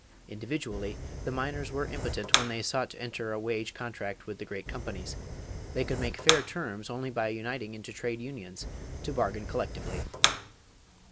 Individually the miners were impotent when they sought to enter a wage contract with the great companies; they could make fair terms only by uniting into trade unions to bargain collectively."